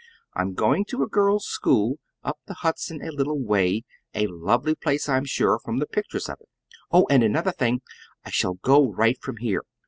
I'm going to a girls' school up the Hudson a little way a lovely place, I'm sure, from the pictures of it. "Oh, and another thing; I shall go right from here.